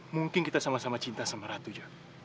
mungkin kita sama sama cinta sama ratu ja